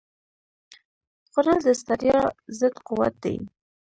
خوړل د ستړیا ضد قوت دی